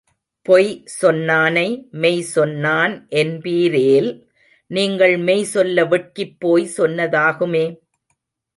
பொய் சொன்னானை மெய் சொன்னான் என்பீரேல் நீங்கள் மெய் சொல்ல வெட்கிப் போய் சொன்னதாகுமே!